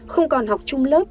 không còn học chung lớp